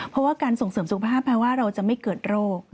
เพราะว่าการส่งเสริมสุขภาพแปลว่าเราจะไม่เกิดโรค